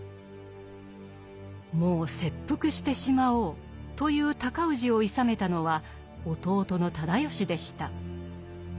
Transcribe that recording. もう切腹してしまおうという尊氏をいさめたのは弟の直義でした。